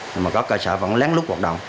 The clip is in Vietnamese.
nhưng mà có cơ sở vẫn lén lút hoạt động